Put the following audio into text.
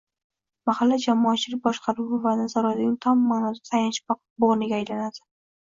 mahalla – jamoatchilik boshqaruvi va nazoratining tom ma’noda tayanch bo‘g‘iniga aylanadi.